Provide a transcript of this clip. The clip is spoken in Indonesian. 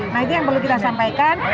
nah itu yang perlu kita sampaikan